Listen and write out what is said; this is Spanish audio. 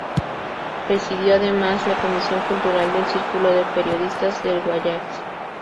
Presidió además, la Comisión Cultural del Círculo de Periodistas del Guayas.